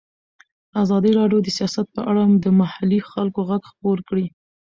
ازادي راډیو د سیاست په اړه د محلي خلکو غږ خپور کړی.